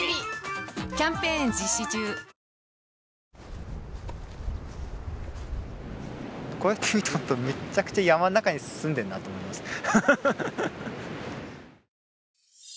えっこうやって見るとホントめっちゃくちゃ山の中に住んでんなと思いますね